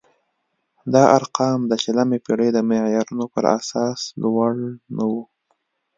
دا ارقام د شلمې پېړۍ د معیارونو پر اساس لوړ نه وو.